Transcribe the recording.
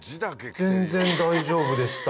全然大丈夫でした。